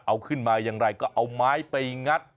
เอาขึ้นมาอย่างไรก็เอาไม้ไปงัด